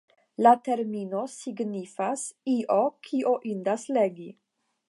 La termino signifas “io, kio indas legi”.